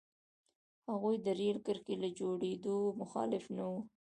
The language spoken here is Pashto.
هغوی د رېل کرښې له جوړېدو مخالف نه وو.